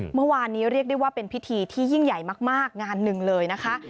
เมื่อวานนี้เรียกได้ว่าเป็นพิธีที่ยิ่งใหญ่มากงานหนึ่งเลยนะคะ